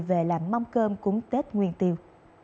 về làm mong cơm cúng tết nguyên tiêu